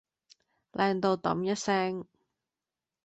靚到丼一聲